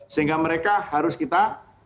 sehingga mereka harus kita